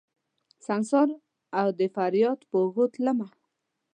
دسنګسار اودفریاد په اوږو تلمه